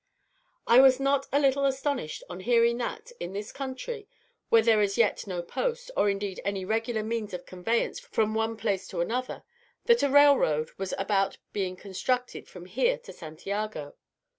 I was not a little astonished on hearing that, in this country, where there is yet no post, or, indeed, any regular means of conveyance from one place to another, that a railroad was about being constructed from here to Santiago.